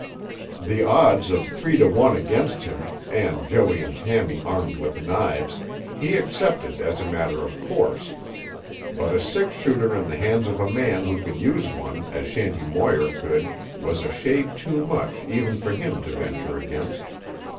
The odds of three to one against him, and Joey and Tammy armed with knives, he accepted as a matter of course. But a six shooter in the hands of a man who could use one as Shanty Moir could was a shade too much even for him to venture against.